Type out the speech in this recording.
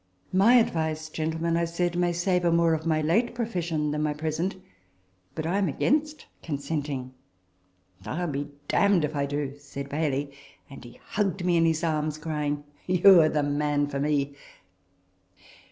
" My advice, gentlemen," I said, " may savour more of my late profession than my present, but I am against consenting." " I'll be damned if I do," said Baillie, and he hugged me in his arms, crying, " You are the man for me."